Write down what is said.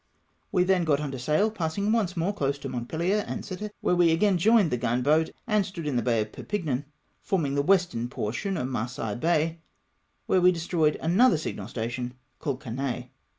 We then got under sail, passing once more close to Montpelier and Cette, where we ao ain joined the gun boat, and stood mto the Bay of Perpignan — forming the west portion of Marseilles Bay — where we destroyed another signal station called Caiiet.